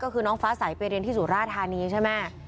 ก็คือน้องฟ้าใสไปเรียนที่สุราธานีใช่ไหม